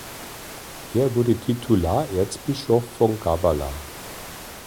Er wurde Titularerzbischof von "Gabala".